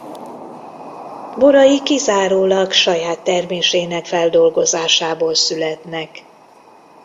Borai kizárólag saját termésének feldolgozásából születnek.